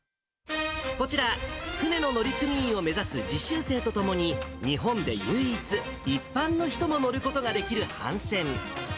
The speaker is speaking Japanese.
こちら、船の乗組員を目指す実習生と共に、日本で唯一一般の人も乗ることができる帆船。